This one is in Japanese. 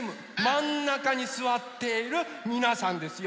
まんなかにすわっているみなさんですよ。